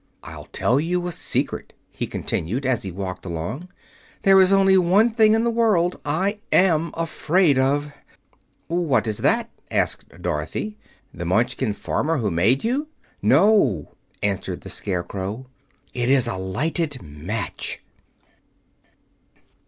I'll tell you a secret," he continued, as he walked along. "There is only one thing in the world I am afraid of." "What is that?" asked Dorothy; "the Munchkin farmer who made you?" "No," answered the Scarecrow; "it's a lighted match."